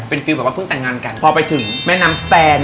เป็นฟิลแบบว่าเพิ่งแต่งงานกันพอไปถึงแม่น้ำแซน